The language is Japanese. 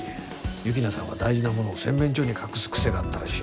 幸那さんは大事なものを洗面所に隠す癖があったらしい。